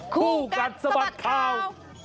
คู่กัดสะบัดข่าว